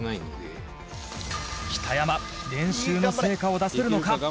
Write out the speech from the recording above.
「北山練習の成果を出せるのか？」